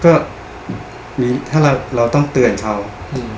ก็มีถ้าเราเราต้องเตือนเขาอืม